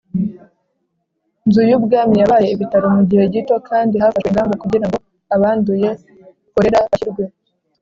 Nzu y ubwami yabaye ibitaro mu gihe gito kandi hafashwe ingamba kugira ngo abanduye korera bashyirwe